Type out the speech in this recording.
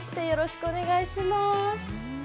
よろしくお願いします。